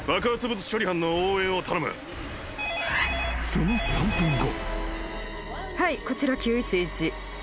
☎［その３分後］